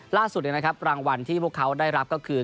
ล่าสุดหนึ่งนะครับรางวัลที่พวกเขาได้รับก็คือ